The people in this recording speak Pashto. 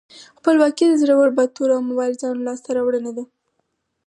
خپلواکي د زړورو، باتورو او مبارزانو لاسته راوړنه ده.